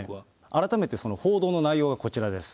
改めて報道の内容がこちらです。